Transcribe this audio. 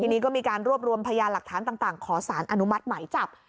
ทีนี้ก็มีการรวบรวมพยานหลักฐานต่างขอสารอนุมัติหมายจับ